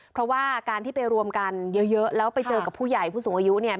เพราะว่าการที่ไปรวมกันเยอะแล้วไปเจอกับผู้ใหญ่ผู้สูงอายุเนี่ย